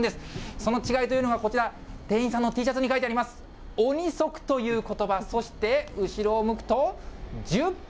その違いというのはこちら、店員さんのＴシャツに書いてあります、鬼速ということば、そして、後ろを向くと、十分。